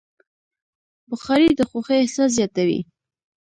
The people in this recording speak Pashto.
بخاري د خوښۍ احساس زیاتوي.